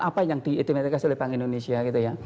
apa yang diidentifikasi oleh bank indonesia